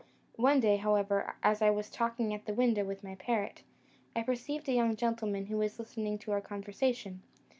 One day, however, as I was talking at the window with my parrot, I perceived a young gentleman who was listening to our conversation.